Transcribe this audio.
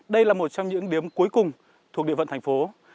đây là một trong những điếm cuối cùng thuộc địa phận thành phố